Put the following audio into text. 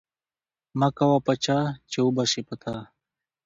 ـ مه کوه په چا ،چې وبشي په تا.